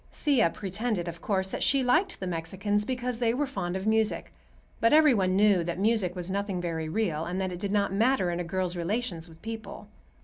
Thea pretended, of course, that she liked the Mexicans because they were fond of music; but every one knew that music was nothing very real, and that it did not matter in a girl's relations with people.